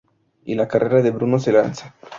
Y la carrera de Bruno se lanza!